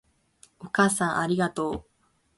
お母さんありがとう